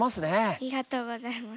ありがとうございます。